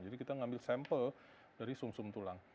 jadi kita mengambil sampel dari sung sung tulang